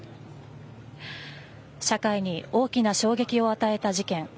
社会に大きな衝撃を与えた事件。